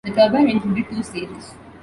The turbine included two stages.